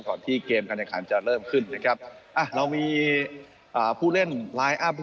ที่เกมการแข่งขันจะเริ่มขึ้นนะครับอ่ะเรามีอ่าผู้เล่นไลน์อัพ